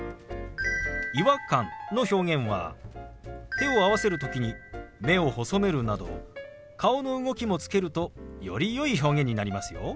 「違和感」の表現は手を合わせる時に目を細めるなど顔の動きもつけるとよりよい表現になりますよ。